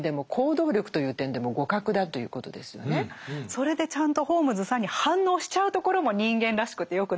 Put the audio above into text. それでちゃんと「ホームズさん」に反応しちゃうところも人間らしくて良くないですか。